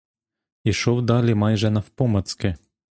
Ішов далі майже навпомацки.